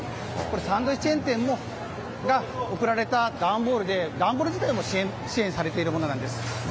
サンドイッチチェーン店から送られた段ボールで段ボール自体も支援されているものなんです。